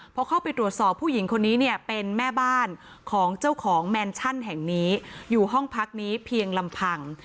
พอเข้าไปตรวจสอบผู้หญิงคนนี้เนี่ยเป็นแม่บ้านของเจ้าของแมนชั่นแห่งนี้อยู่ห้องพักนี้เพียงลำพัง